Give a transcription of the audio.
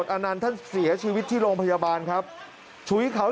ตอนนี้ก็ยิ่งแล้ว